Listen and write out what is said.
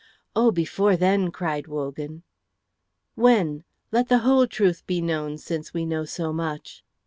"Oh, before then," cried Wogan. "When? Let the whole truth be known, since we know so much."